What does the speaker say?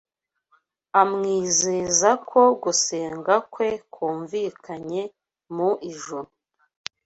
amwizeza ko gusenga kwe kumvikanye mu ijuru